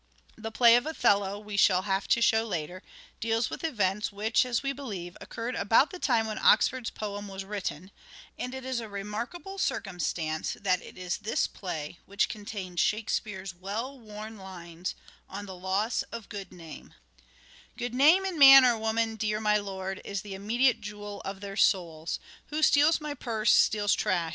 The play of " Othello," we shall have to show later, deals with events which, as we believe, occurred about the time when Oxford's poem was written ; and it is a remarkable circumstance that it is this play which contains Shakespeare's well worn lines on the loss of good name :" Good name in man or woman, dear my lord, Is the immediate jewel of their souls. Who steals my purse steals trash